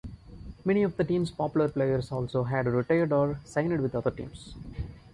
Many of the team's popular players also had retired or signed with other teams.